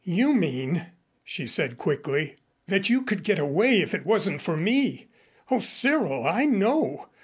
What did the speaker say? "You mean," she said quickly, "that you could get away if it wasn't for me. O Cyril, I know.